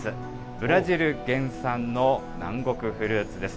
ブラジル原産の南国フルーツです。